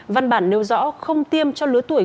văn bản nêu rõ không tiêm cho lứa tuổi